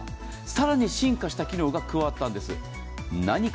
更に進化した機能が加わったんです。